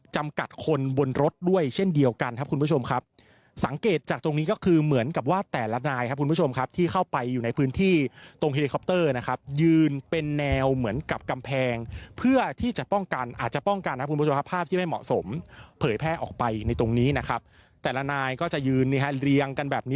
จำกัดคนบนรถด้วยเช่นเดียวกันครับคุณผู้ชมครับสังเกตจากตรงนี้ก็คือเหมือนกับว่าแต่ละนายครับคุณผู้ชมครับที่เข้าไปอยู่ในพื้นที่ตรงเฮลิคอปเตอร์นะครับยืนเป็นแนวเหมือนกับกำแพงเพื่อที่จะป้องกันอาจจะป้องกันนะคุณผู้ชมครับภาพที่ไม่เหมาะสมเผยแพร่ออกไปในตรงนี้นะครับแต่ละนายก็จะยืนกันแบบนี้